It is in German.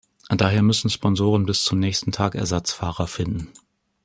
Daher müssen Sponsoren bis zum nächsten Tag Ersatzfahrer finden.